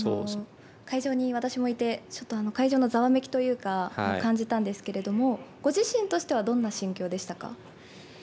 会場に私もいてちょっと会場のざわめきというか感じたんですがご自身としてはどんな心境でしたか？